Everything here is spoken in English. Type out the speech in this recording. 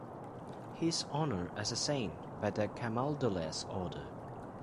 He is honored as a saint by the Camaldolese Order.